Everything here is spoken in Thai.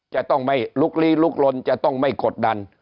จะต้องไม่ลุกลี้ลุกลนจะต้องไม่กดดัน